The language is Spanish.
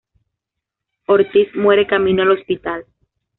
Ortiz muere camino al hospital.